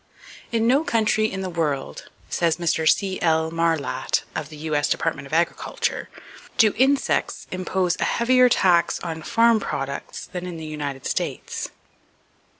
"In no country in the world," says Mr. C.L. Marlatt, of the U.S. Department of Agriculture, "do insects impose a heavier tax on farm products than in the United States."